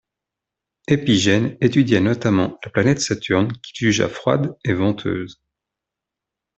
Épigène étudia notamment la planète Saturne qu'il jugea froide et venteuse.